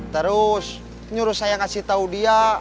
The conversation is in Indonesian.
terus nyuruh saya ngasih tau dia